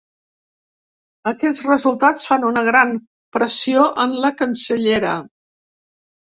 Aquests resultats fan una gran pressió en la cancellera.